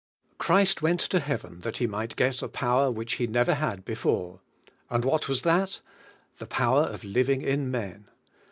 Christ went to heaven that He might get a power which He never had before. And what was that? The power of livingf in men.